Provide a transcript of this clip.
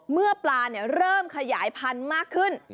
เมื่อปลาเริ่มขยายพันธุ์มากขึ้น